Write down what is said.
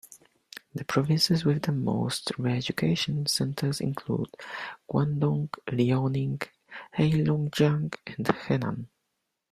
The provinces with the most re-education centers include Guangdong, Liaoning, Heilongjiang, and Henan.